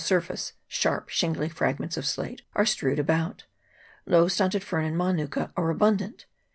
surface sharp shingly fragments of slate are strewed about. Low stunted fern and manuka are abun dant.